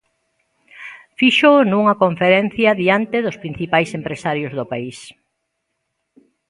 Fíxoo nunha conferencia diante dos principais empresarios do país.